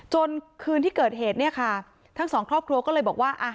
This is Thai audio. คืนที่เกิดเหตุเนี่ยค่ะทั้งสองครอบครัวก็เลยบอกว่า